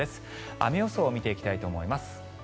雨予想を見ていきたいと思います。